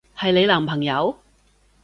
係你男朋友？